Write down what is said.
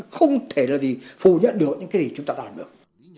không thể là gì phủ nhận được những cái gì chúng ta làm được